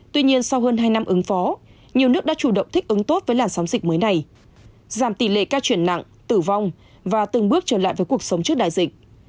tuy nhiên sau hơn hai năm ứng phó nhiều nước đã chủ động thích ứng tốt với làn sóng dịch mới này giảm tỷ lệ ca chuyển nặng tử vong và từng bước trở lại với cuộc sống trước đại dịch